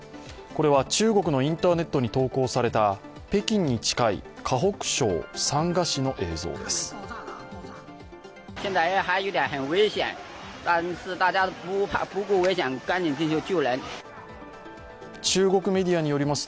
これは中国のインターネットに投稿された北京に近い河北省三河市の様子です。